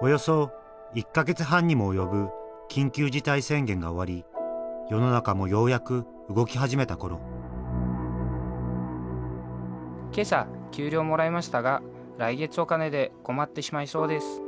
およそ１か月半にも及ぶ緊急事態宣言が終わり世の中もようやく動き始めた頃「今朝給料もらいましたが来月お金で困ってしまいそうです」。